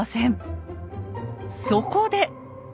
そこで。